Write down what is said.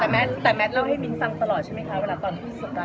ไม่เคยเลยค่ะ